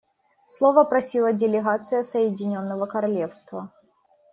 Слова просила делегация Соединенного Королевства.